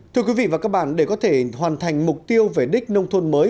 thưa quý vị và các bạn để có thể hoàn thành mục tiêu về đích nông thôn mới